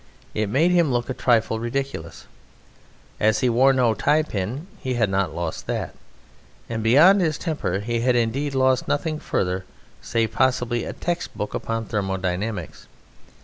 It made him look a trifle ridiculous. As he wore no tie pin he had not lost that, and beyond his temper he had indeed lost nothing further save, possibly, a textbook upon Thermodynamics.